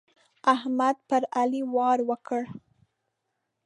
احمد پر علي وار وکړ.